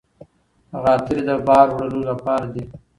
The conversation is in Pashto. غاتري د بار وړلو لپاره دي.